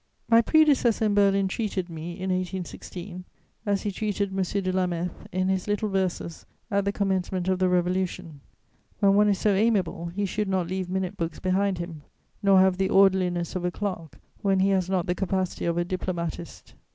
My predecessor in Berlin treated me, in 1816, as he treated M. de Lameth in his little verses at the commencement of the Revolution. When one is so amiable, he should not leave minute books behind him, nor have the orderliness of a clerk when he has not the capacity of a diplomatist.